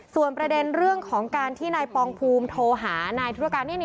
ส่วนประเด็นเรื่องของการที่นายปองภูมิโทรหานายธุรการนี่